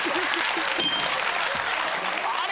あれ。